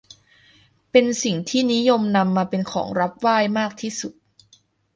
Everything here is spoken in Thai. เป็นสิ่งที่นิยมนำมาเป็นของรับไหว้มากที่สุด